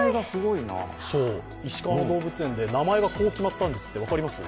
いしかわ動物園で、名前がこう決まったんですって。